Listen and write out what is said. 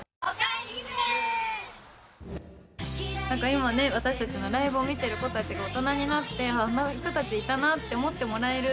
今、私たちのライブを見ている子たちが大人になってあんな人たち、いたなって思ってもらえる。